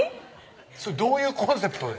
それどういうコンセプトで？